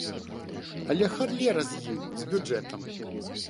Але халера з ім, з бюджэтам.